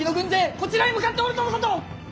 こちらへ向かっておるとのこと！